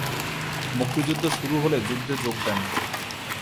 মুক্তিযুদ্ধ শুরু হলে যুদ্ধে যোগ দেন।